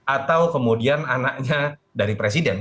atau kemudian anaknya dari presiden